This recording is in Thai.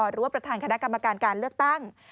หรือว่าประธานคณะกรรมการการเลือกตั้ง